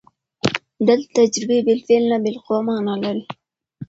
دلته تجربې بالفعل نه، بالقوه مانا لري.